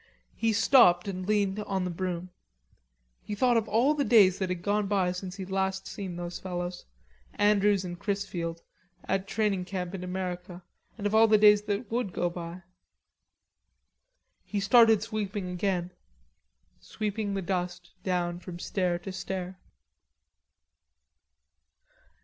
He stopped and leaned on the broom. He thought of all the days that had gone by since he'd last seen those fellows, Andrews and Chrisfield, at training camp in America; and of all the days that would go by. He started sweeping again, sweeping the dust down from stair to stair.